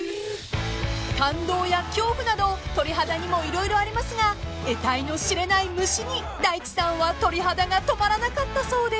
［感動や恐怖など鳥肌にも色々ありますがえたいの知れない虫に大地さんは鳥肌が止まらなかったそうで］